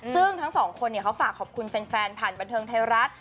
ซึ่งทั้งสองคนเขาฝากขอบคุณแฟนผ่านบันเทิงไทยรัฐ